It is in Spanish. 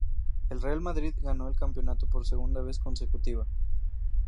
El Real Madrid ganó el campeonato por segunda vez consecutiva.